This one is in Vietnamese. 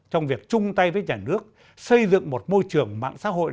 trong việc chung tay với nhà nước xây dựng một môi trường mạng xã hội